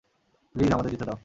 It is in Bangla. প্লিজ, আমাদের যেতে দাও।